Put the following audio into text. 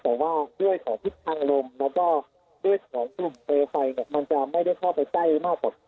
แต่ว่าด้วยของทิศทางลมแล้วก็ด้วยของกลุ่มเปลวไฟเนี่ยมันจะไม่ได้เข้าไปใกล้มากกว่า